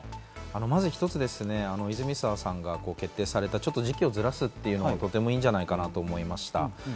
まず一つ、泉澤さんが決定された時期をズラすというのはとてもいいんじゃないかなと思いました。